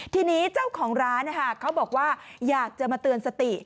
ทีนี้เจ้าของร้านเขาบอกว่าอยากจะมาเตือนสติ